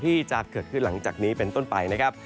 ที่จะเกิดขึ้นหลังจากนี้เป็นต้นไปนะครับ